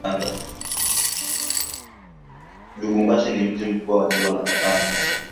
Lubumbashi ni mji mkubwa wa jimbo la katanga